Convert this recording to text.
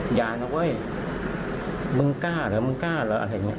อย่านะเว้ยมึงกล้าเหรอมึงกล้าเหรออะไรอย่างนี้